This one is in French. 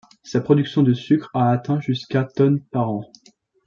Sa production de sucre a atteint jusqu'à tonnes par an.